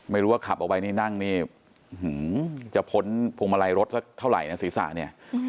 ไม่รู้ว่าขับออกไปนี่นั่งนี่จะพ้นพวงมาลัยรถสักเท่าไหร่นะศีรษะเนี่ย